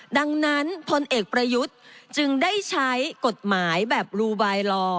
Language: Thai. ดังนั้นพลเอกประยุทธ์จึงได้ใช้กฎหมายแบบลูบายลอ